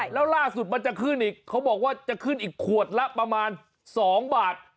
แล้วล่าสุดมันจะขึ้นอีกเขาบอกว่าจะขึ้นอีกขวดละประมาณ๒บาท